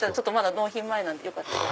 納品前なのでよかったら。